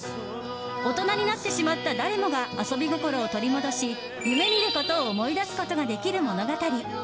大人になってしまった誰もが遊び心を取り戻し夢見ることを思い出すことができる物語。